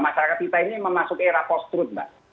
masyarakat kita ini memasuki era post truth mbak